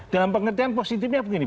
dalam pengertian positifnya begini